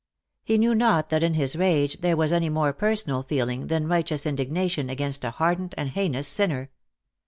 He knew not that in his rage there was any more personal feeling than righteous indignation against a hardened and heinous sinner.